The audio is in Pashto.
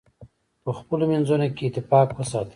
په خپلو منځونو کې اتفاق وساتئ.